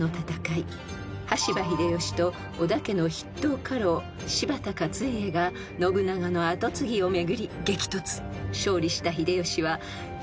［羽柴秀吉と織田家の筆頭家老柴田勝家が信長の後継ぎを巡り激突］